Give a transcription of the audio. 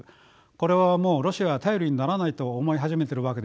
これはもうロシアは頼りにならないと思い始めてるわけですよ。